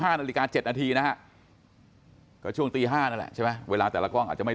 นาฬิกา๗นาทีนะฮะก็ช่วงตี๕นั่นแหละใช่ไหมเวลาแต่ละกล้องอาจจะไม่